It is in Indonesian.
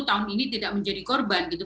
tahun ini tidak menjadi korban gitu